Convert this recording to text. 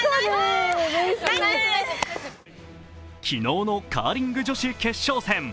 昨日のカーリング女子決勝戦。